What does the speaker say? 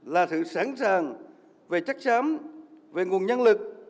là sự sẵn sàng về chắc chắn về nguồn nhân lực